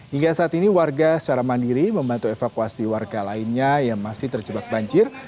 hingga saat ini warga secara mandiri membantu evakuasi warga lainnya yang masih terjebak banjir